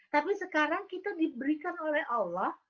tapi sekarang kita diberikan oleh allah